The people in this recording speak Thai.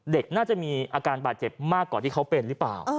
เด็กน่าจะมีอาการบาดเจ็บมากกว่าที่เขาเป็นหรือเปล่า